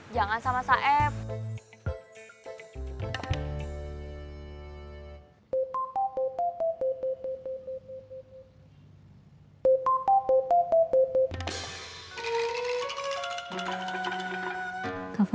jangan sama saef